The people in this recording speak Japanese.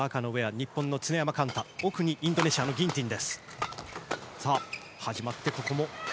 日本の常山幹太奥にインドネシアのギンティン。